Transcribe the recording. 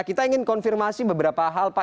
kita ingin konfirmasi beberapa hal pak